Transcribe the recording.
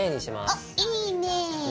おっいいね。